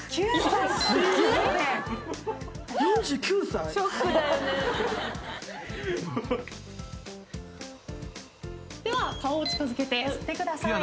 ４９歳？では顔を近づけて吸ってください。